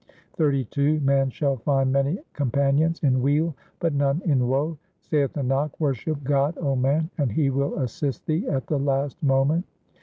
XXXII Man shall find many companions in weal, but none in woe ; Saith Nanak, worship God, 0 man, and He will assist thee at the last moment.